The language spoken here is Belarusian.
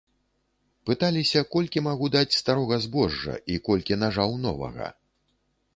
Пыталіся, колькі магу даць старога збожжа і колькі нажаў новага.